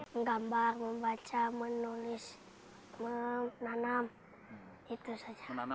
menggambar membaca menulis menanam